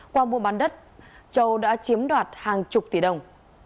qua mua bán đất châu đã chiếm đoạt hàng chục tỷ đồng